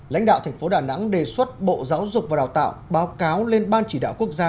lãnh đạo thành phố đà nẵng đề xuất bộ giáo dục và đào tạo báo cáo lên ban chỉ đạo quốc gia